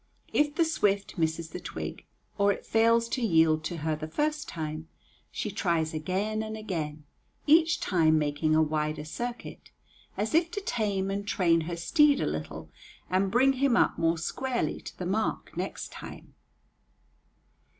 If the swift misses the twig, or it fails to yield to her the first time, she tries again and again, each time making a wider circuit, as if to tame and train her steed a little and bring him up more squarely to the mark next time.